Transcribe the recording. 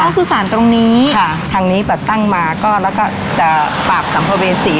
ก็คือสารตรงนี้ค่ะทางนี้แบบตั้งมาก็แล้วก็จะปราบสัมภเวษี